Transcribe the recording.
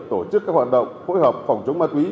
tổ chức các hoạt động phối hợp phòng chống ma túy